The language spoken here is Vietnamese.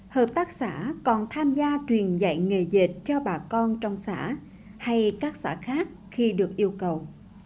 hợp tác xã còn tham gia truyền dạy nghề dệt cho bà con trong xã hay các xã khác khi được yêu cầu